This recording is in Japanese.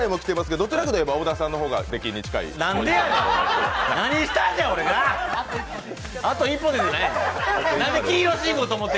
どちらかというと小田さんの方が出禁に近い。